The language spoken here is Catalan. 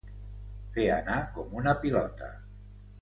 Fer anar com una pilota.